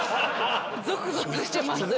ゾクゾクしてます。